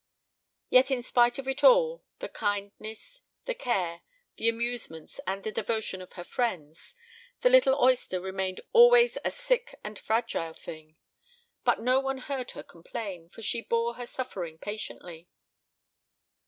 Yet, in spite of it all, the kindness, the care, the amusements, and the devotion of her friends, the little oyster remained always a sick and fragile thing. But no one heard her complain, for she bore her suffering patiently.